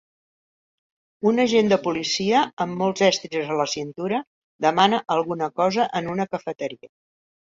Un agent de policia, amb molts estris a la cintura, demana alguna cosa en una cafeteria.